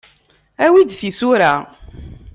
Awi-d tisura.